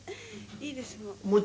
「いいですもう」